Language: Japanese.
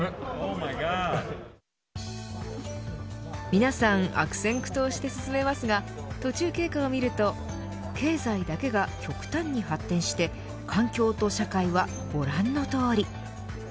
皆さん悪戦苦闘して進めますが途中経過を見ると経済だけが極端に発展して環境と社会はご覧の通り。